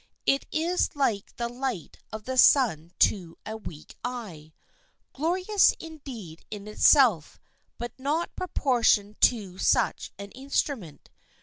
It is like the light of the sun to a weak eye—glorious, indeed, in itself, but not proportioned to such an instrument.